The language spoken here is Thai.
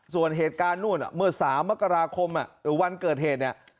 ส่วนเหตุการณ์นู่นเมื่อ๓มกราคมหรือวันเกิดเหตุเนี่ย